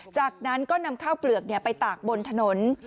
จากนั้นก็นำข้าวเปลือกไปตากบนถนน